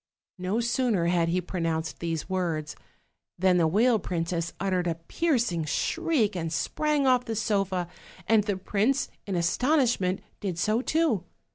No sooner had he pronounced these words than the whale princess uttered a piercing shriek and sprang off the sofa, and the prince, in astonishment, did so too.